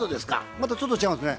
またちょっと違うんですね。